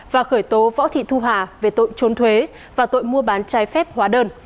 và khởi tố võ thị thu hà về tội trốn thuế và tội mua bán trái phép hóa đơn